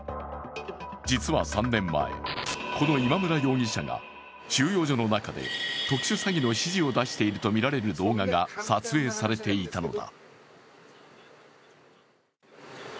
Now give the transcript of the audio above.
実は３年前、この今村容疑者が収容所の中で特殊詐欺の指示を出しているとみられる動画が撮影されていたのだ。